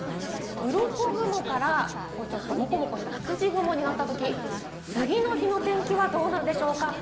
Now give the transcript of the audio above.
うろこ雲からモコモコした、ひつじ雲になったとき、次の日の天気はどうなるでしょうか？